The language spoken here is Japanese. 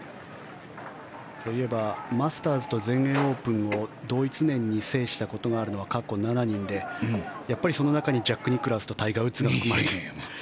そういえばマスターズと全英オープンを同一年に制したことがあるのは過去７人でやっぱりその中にジャック・ニクラウスとタイガー・ウッズが含まれるという。